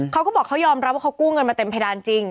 เขาก็บอกเขายอมรับว่าเขากู้เงินมาเต็มเพดานจริง